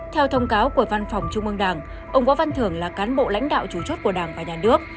theo thông cáo của văn phòng trung ương đảng ông võ văn thưởng là cán bộ lãnh đạo chủ chốt của đảng và nhà nước